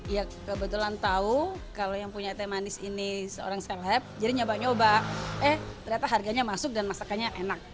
ya kebetulan tahu kalau yang punya teh manis ini seorang self happ jadi nyoba nyoba eh ternyata harganya masuk dan masakannya enak